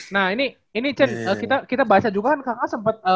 nah ini ced kita bahas juga kan kakak sempet